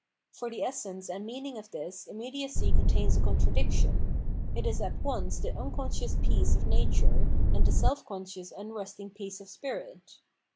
For the essence and meaning of this immediacy contains a contradiction : it is at once the unconscious peace of nature and the self conscious unresting peace of spirit.